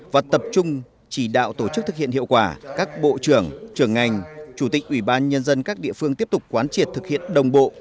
và tập trung chỉ đạo tổ chức thực hiện hiệu quả các bộ trưởng trưởng ngành chủ tịch ủy ban nhân dân các địa phương tiếp tục quán triệt thực hiện đồng bộ